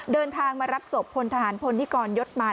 เดินทางมารับศพพลทหารพลนิกรยศมาร